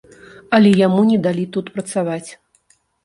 Але яму не далі тут працаваць.